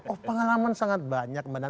oh pengalaman sangat banyak